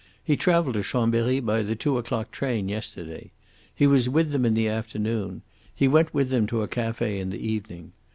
He travelled to Chambery by the two o'clock train yesterday. He was with them in the afternoon. He went with them to a cafe in the evening.